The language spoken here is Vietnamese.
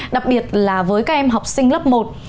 đặc biệt là với các em học sinh lớp một